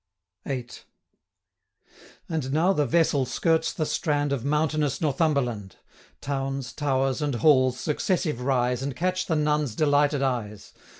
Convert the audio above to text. VIII. And now the vessel skirts the strand Of mountainous Northumberland; Towns, towers, and halls, successive rise, 130 And catch the nuns' delighted eyes.